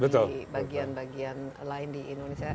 di bagian bagian lain di indonesia